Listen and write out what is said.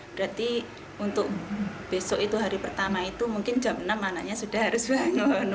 berarti untuk besok itu hari pertama itu mungkin jam enam anaknya sudah harus bangun